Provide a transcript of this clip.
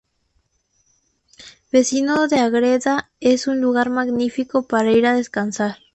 Vecino de Agreda, es un lugar magnifico para ir a descansar.